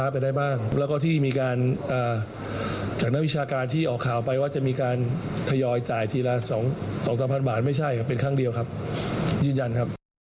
ยอดจ่ายทีละ๒๐๐๐๓๐๐๐บาทไม่ใช่เป็นครั้งเดียวครับยืนยันครับ